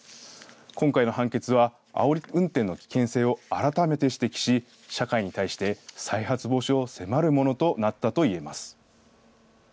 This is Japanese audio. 今回の判決はあおり運転の危険性を改めて指摘し社会に対して再発防止を迫るものとなったと言えます。